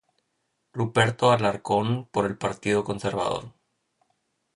Ruperto Alarcón por el Partido Conservador.